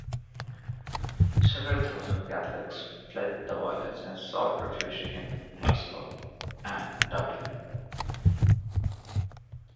Several thousand Catholics fled the violence and sought refuge in Glasgow and Dublin.